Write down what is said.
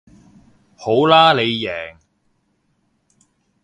好啦你贏